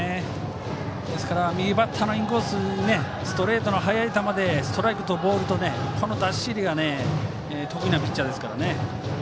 右バッターのインコースにストレートの速い球でストライクとボールの出し入れが得意なピッチャーですから。